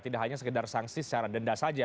tidak hanya sekedar sanksi secara denda saja